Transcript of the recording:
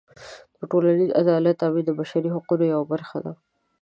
د ټولنیز عدالت تأمین د بشري حقونو یوه برخه ده.